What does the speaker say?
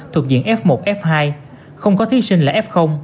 thuộc diện f một f hai không có thí sinh là f